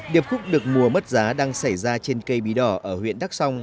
điệp khúc được mua mất giá đang xảy ra trên cây bí đỏ ở huyện đắc sông